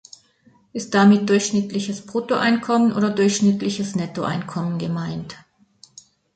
Ist damit durchschnittliches Bruttoeinkommen oder durchschnittliches Nettoeinkommen gemeint?